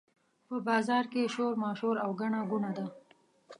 په بازار کې شورماشور او ګڼه ګوڼه ده.